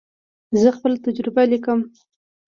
زه خپله تجربه لیکم.